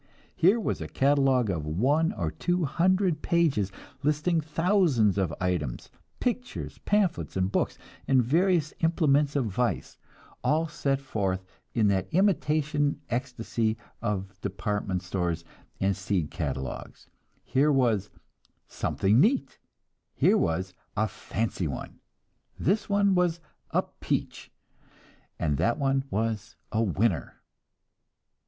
Here was a catalogue of one or two hundred pages, listing thousands of items, pictures, pamphlets and books, and various implements of vice, all set forth in that imitation ecstasy of department stores and seed catalogues: here was "something neat," here was a "fancy one," this one was "a peach," and that one was "a winner."